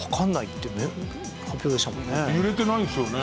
揺れてないんですよね。